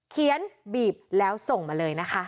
เขียนบีบแล้วส่งมาเลยนะคะ